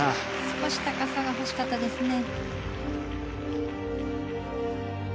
少し高さが欲しかったですね。